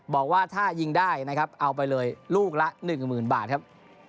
บอกว่าถ้ายิงได้นะครับเอาไปเลยลูกละ๑๐๐๐บาทครับ